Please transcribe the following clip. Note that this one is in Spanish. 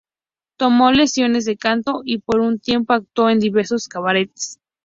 Tomó lecciones de canto y, por un tiempo, actuó en diversos cabarets.